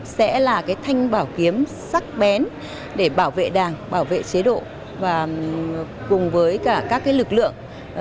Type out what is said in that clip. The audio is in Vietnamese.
sẽ là thanh bảo kiếm sắc bén để bảo vệ đảng bảo vệ chế độ và cùng với cả các lực lượng